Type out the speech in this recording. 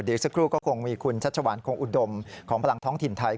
เดี๋ยวอีกสักครู่ก็คงมีคุณชัชวานคงอุดมของพลังท้องถิ่นไทย